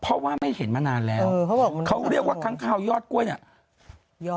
เพราะว่าไม่เห็นมานานแล้วเขาเรียกว่าค้างคาวยอดกล้วยเนี่ย